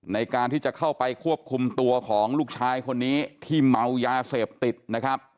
ในการที่จะเข้าไปควบคุมตัวของลูกชายคนนี้ที่เมายาเสพติดนะครับ